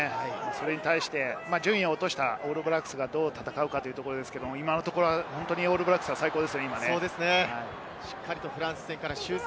それに対して順位を落としたオールブラックスがどう戦うかですが、今のところオールブラックスが最高ですね。